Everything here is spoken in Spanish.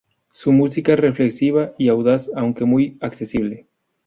Su música es reflexiva y audaz, aunque muy accesible.